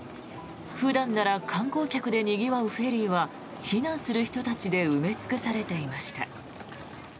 普段なら観光客でにぎわうフェリーは避難する人たちで埋め尽くされていました。